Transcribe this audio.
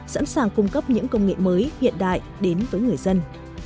sẵn sàng cung cấp những công nghệ mới hiện đại đến với người dân